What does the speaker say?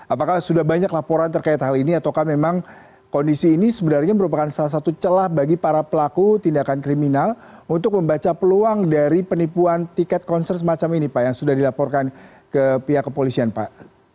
apakah sudah banyak laporan terkait hal ini ataukah memang kondisi ini sebenarnya merupakan salah satu celah bagi para pelaku tindakan kriminal untuk membaca peluang dari penipuan tiket konser semacam ini pak yang sudah dilaporkan ke pihak kepolisian pak